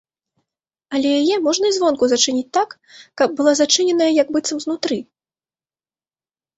Але яе можна і звонку зачыніць так, каб была зачыненая, як быццам знутры.